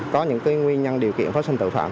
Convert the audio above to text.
có những nguyên nhân điều kiện phát sinh tội phạm